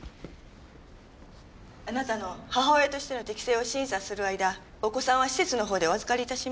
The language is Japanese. あなたの母親としての適性を審査する間お子さんは施設の方でお預かりいたします。